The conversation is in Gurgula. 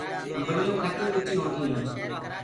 امڀڙيون کٽي ميٺي لگديٚونٚ هينٚ۔